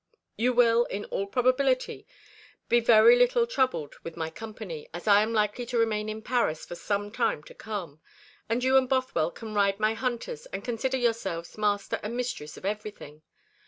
You will, in all probability, be very little troubled with my company, as I am likely to remain in Paris for some time to come; and you and Bothwell can ride my hunters and consider yourselves master and mistress of everything.